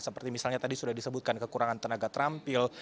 seperti misalnya tadi sudah disebutkan kekurangan tenaga terampil